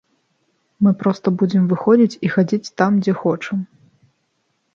Мы проста будзем выходзіць, і хадзіць там, дзе хочам.